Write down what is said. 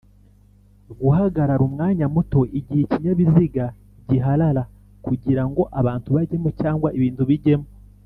Guhagarara umwanya mutoIgihe ikinyabiziga giharara kugira ngo abantu bajyemo cg ibintu bijyemo